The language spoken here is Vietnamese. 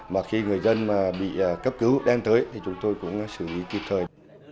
mà khi người dân bị cấp cứu đem tới thì chúng tôi cũng xử lý kịp thời